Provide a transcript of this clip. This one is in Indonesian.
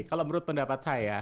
kalau menurut pendapat saya